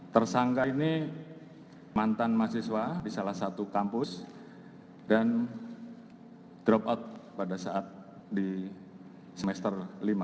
tersangka ini mantan mahasiswa di salah satu kampus dan drop out pada saat di semester lima